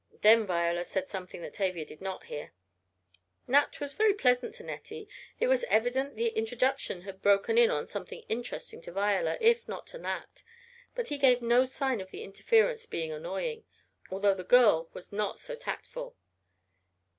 Then Viola said something that Tavia did not hear. Nat was very pleasant to Nettie. It was evident the introduction had broken in on something interesting to Viola, if not to Nat, but he gave no sign of the interference being annoying, although the girl was not so tactful.